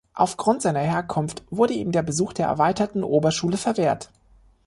Aufgrund seiner Herkunft wurde ihm der Besuch der Erweiterten Oberschule verwehrt.